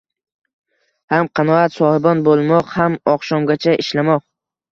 Ham qanoat sohibn bo'lmoq ham oqshomgacha ishlamoq...